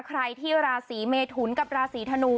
ใครที่ราศีเมทุนกับราศีธนู